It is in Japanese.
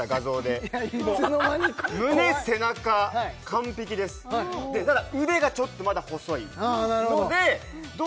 怖い胸背中完璧ですただ腕がちょっとまだ細いのでああ